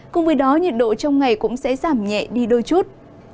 cùng với đó nhiệt độ trong ngày cũng sẽ giảm nhẹ đi đôi chút